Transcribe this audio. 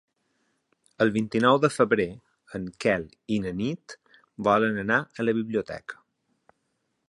El vint-i-nou de febrer en Quel i na Nit volen anar a la biblioteca.